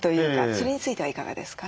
それについてはいかがですか？